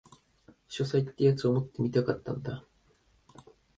書斎ってやつを持ってみたかったんだ